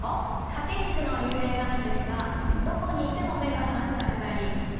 掛け軸の幽霊画なんですがどこにいても目が離せなくなりすごい不気味な絵なんです。